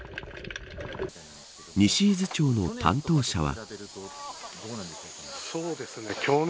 西伊豆町の担当者は。